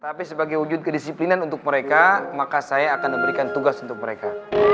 tapi sebagai wujud kedisiplinan untuk mereka maka saya akan memberikan tugas untuk mereka